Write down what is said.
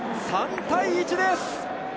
３対１です。